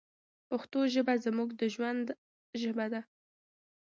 پښتو ژبه زموږ د ژوند ژبه ده.